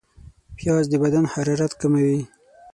پیاز د بدن حرارت کموي